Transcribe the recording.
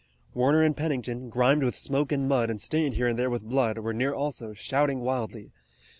Warner and Pennington, grimed with smoke and mud and stained here and there with blood, were near also, shouting wildly.